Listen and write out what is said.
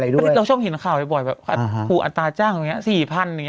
เราชอบเห็นข่าวให้บ่อยแบบหูอัตราจ้างอย่างนี้๔๐๐๐อย่างนี้